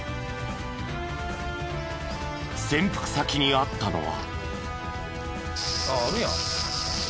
潜伏先にあったのは。